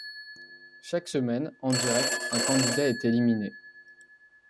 Chaque semaine, en direct, un candidat est éliminé.